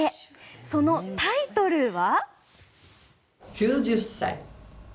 そのタイトルは。